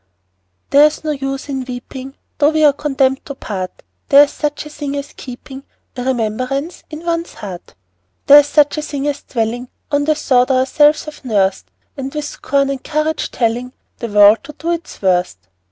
There's no use in weeping, Though we are condemned to part: There's such a thing as keeping A remembrance in one's heart: There's such a thing as dwelling On the thought ourselves have nursed, And with scorn and courage telling The world to do its worst.